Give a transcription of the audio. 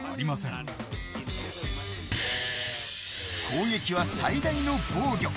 攻撃は最大の防御。